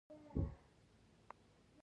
آیا پښتون هیڅکله چا ته سر نه ټیټوي؟